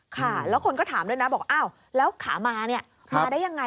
ค่ะแล้วคนก็ถามด้วยนะบอกอ้าวแล้วขามาเนี่ยมาได้ยังไง